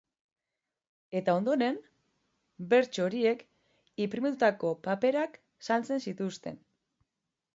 Eta ondoren, bertso horiek inprimatutako paperak saltzen zituzten.